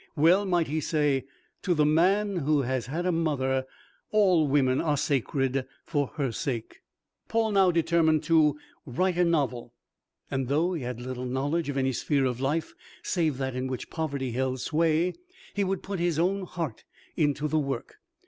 Well might he say, "To the man who has had a mother all women are sacred for her sake." Paul now determined to write a novel, and though he had little knowledge of any sphere of life save that in which poverty held sway, he would put his own heart into the work.